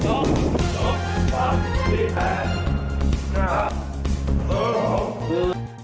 สองสามสี่แปดห้าห้า